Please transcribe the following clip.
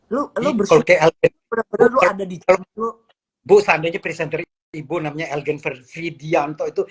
lu lu bersyukur ada di jemput bu sandanya presenter ibu namanya elgen ferdjian to itu